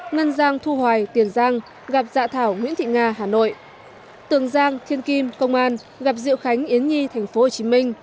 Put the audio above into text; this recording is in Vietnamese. ngân giang thu hoài tiền giang gặp dạ thảo nguyễn thị nga hà nội tường giang thiên kim công an gặp diệu khánh yến nhi tp hcm